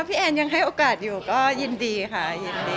ถ้าพี่แอดยังให้โอกาสอยู่ก็ยินดีค่ะ